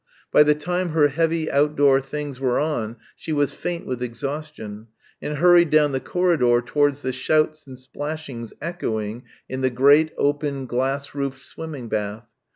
By the time her heavy outdoor things were on she was faint with exhaustion, and hurried down the corridor towards the shouts and splashings echoing in the great, open, glass roofed swimming bath.